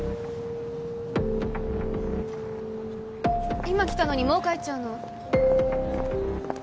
今来たのにもう帰っちゃうの？